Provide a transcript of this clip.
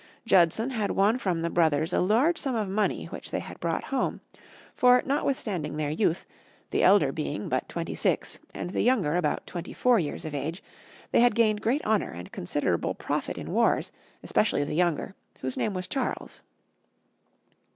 Judson had won from the brothers a large sum of money which they had brought home; for, notwithstanding their youth, the elder being but twenty six and the younger about twenty four years of age, they had gained great honor and considerable profit in wars, especially the younger, whose name was Charles.